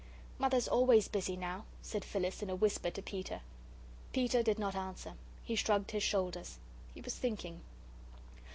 "Mother's always busy now," said Phyllis, in a whisper to Peter. Peter did not answer. He shrugged his shoulders. He was thinking.